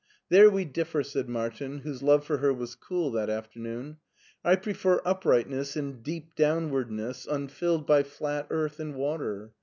"There we differ," said Martin, whose love for her was cool that afternoon. " I prefer uprightness and deep downwardness unfilled by flat earth and water.